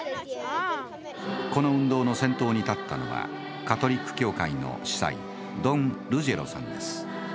この運動の先頭に立ったのはカトリック教会の司祭ドン・ルジェロさんです。